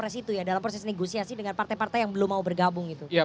apakah pdi perjuangan dalam proses negosiasi dengan partai partai yang belum mau bergabung